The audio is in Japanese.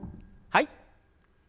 はい。